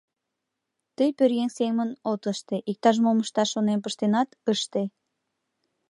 Тый пӧръеҥ семын от ыште, иктаж-мом ышташ шонен пыштенат — ыште.